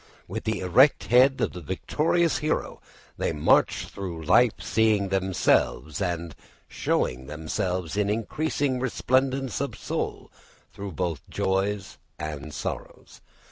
With the erect head of the victorious hero they march through life seeing themselves and showing themselves in increasing resplendence of soul through both joys and sorrows.